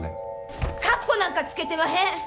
かっこなんかつけてまへん！